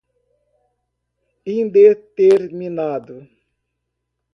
indeterminado